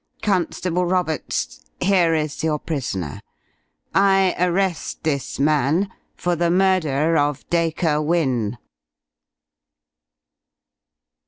Constable Roberts, here is your prisoner. I arrest this man for the murder of Dacre Wynne!"